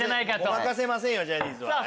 ごまかせませんよジャニーズは。